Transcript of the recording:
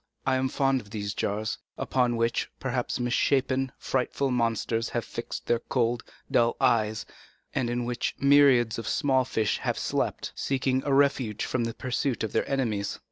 I am fond of these jars, upon which, perhaps, misshapen, frightful monsters have fixed their cold, dull eyes, and in which myriads of small fish have slept, seeking a refuge from the pursuit of their enemies."